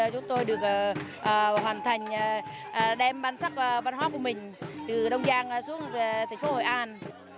chúng tôi được hoàn thành đem bản sắc văn hóa của mình từ đông giang xuống thành phố hội an